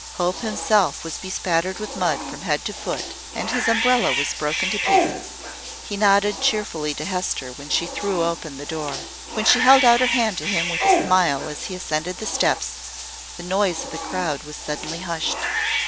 Hope himself was bespattered with mud from head to foot, and his umbrella was broken to pieces. He nodded cheerfully to Hester when she threw open the door. When she held out her hand to him with a smile as he ascended the steps, the noise of the crowd was suddenly hushed.